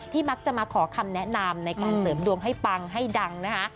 มักจะมาขอคำแนะนำในการเสริมดวงให้ปังให้ดังนะคะ